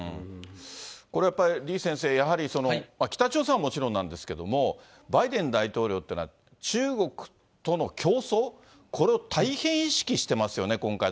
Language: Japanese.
これやっぱり、李先生、やはり北朝鮮はもちろんなんですけれども、バイデン大統領っていうのは、中国との競争、これを大変意